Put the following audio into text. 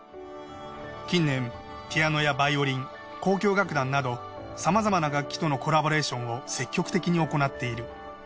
近年ピアノやバイオリン交響楽団などさまざまな楽器とのコラボレーションを積極的に行っている。